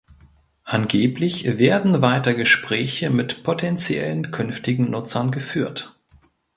Angeblich werden weiter Gespräche mit potenziellen künftigen Nutzern geführt.